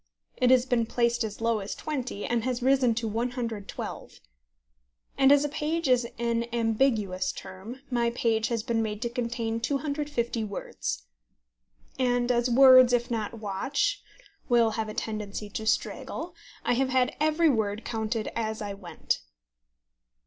It has been placed as low as 20, and has risen to 112. And as a page is an ambiguous term, my page has been made to contain 250 words; and as words, if not watched, will have a tendency to straggle, I have had every word counted as I went.